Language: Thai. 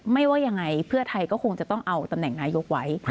ว่ายังไงเพื่อไทยก็คงจะต้องเอาตำแหน่งนายกไว้